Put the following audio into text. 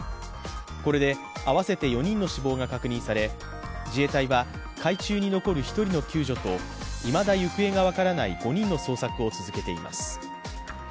これで合わせて４人の死亡が確認され、自衛隊は海中に残る１人の救助といまだ行方が分からない５人の捜索を続けています。